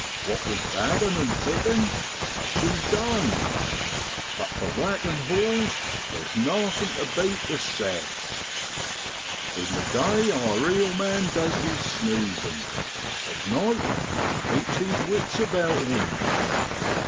What with babbin' and pickin', much is done; but for whackin' hauls there's nothing to beat the ' sets.' In the day our eel man does his snoozin', at night he keeps his wits about him.